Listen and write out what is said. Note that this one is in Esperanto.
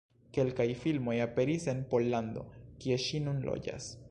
Kelkaj filmoj aperis en Pollando, kie ŝi nun loĝas.